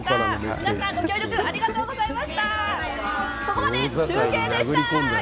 皆さん、ご協力ありがとうございました。